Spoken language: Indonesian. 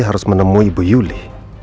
harus menemui ibu yuli